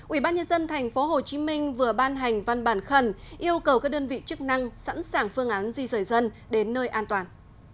ubnd tp hcm vừa ban hành văn bản khẩn yêu cầu các đơn vị chức năng sẵn sàng phương án di rời dân đến nơi an toàn